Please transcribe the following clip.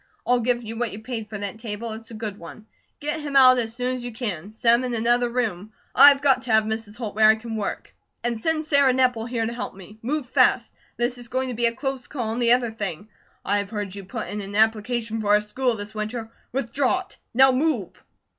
I'll give you what you paid for that table. It's a good one. Get him out as soon as you can. Set him in another room. I've got to have Mrs. Holt where I can work. And send Sarah Nepple here to help me. Move fast! This is going to be a close call. And the other thing: I've heard you put in an application for our school this winter. Withdraw it! Now move!"